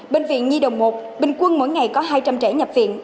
bệnh viện nhi đồng một bình quân mỗi ngày có hai trăm linh trẻ nhập viện